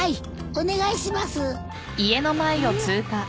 お願いします。